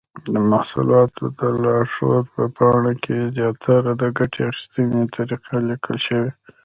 د محصولاتو د لارښود په پاڼه کې زیاتره د ګټې اخیستنې طریقه لیکل شوې.